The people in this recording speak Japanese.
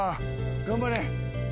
頑張れ。